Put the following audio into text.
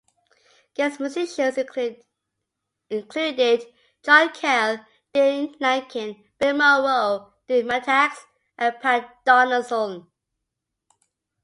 Guest musicians included John Cale, Dane Lanken, Bill Monroe, Dave Mattacks and Pat Donaldson.